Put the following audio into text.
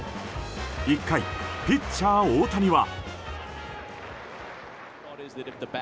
１回、ピッチャー大谷は。